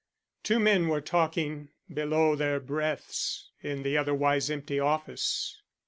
Two men were talking below their breaths in the otherwise empty office.